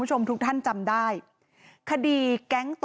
ปี๖๕วันเช่นเดียวกัน